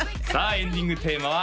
エンディングテーマは＃